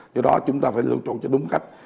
do đó chúng ta phải luôn trụ cho đúng cách